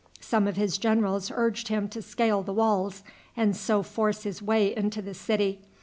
Some of his generals urged him to scale the walls, and so force his way into the city.